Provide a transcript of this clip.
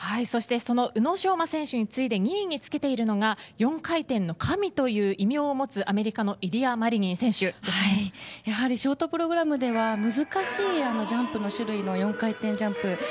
その宇野昌磨選手に次いで２位につけているのが４回転の神という異名を持つやはりショートプログラムでは難しいジャンプの種類の４回転ジャンプ。